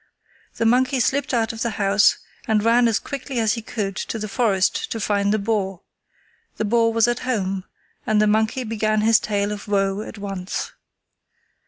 The monkey slipped out of the house and ran as quickly as he could to the forest to find the boar. The boar was at home, and the monkey began his tale of woe at once.